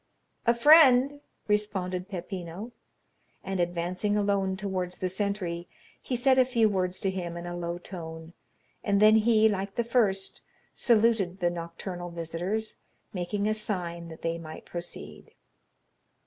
"A friend!" responded Peppino; and, advancing alone towards the sentry, he said a few words to him in a low tone; and then he, like the first, saluted the nocturnal visitors, making a sign that they might proceed.